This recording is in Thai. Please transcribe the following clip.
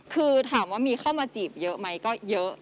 คือถามว่ามีเข้ามาจีบเยอะไหมก็เยอะ